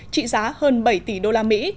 trị giá hơn bảy tỷ đô la mỹ